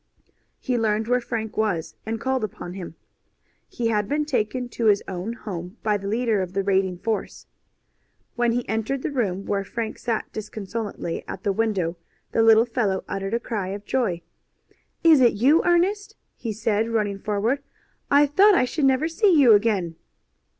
He learned where Frank was and called upon him. He had been taken to his own home by the leader of the raiding force. When he entered the room where Frank sat disconsolately at the window the little fellow uttered a cry of joy. "Is it you, Ernest?" he said, running forward. "I thought I should never see you again."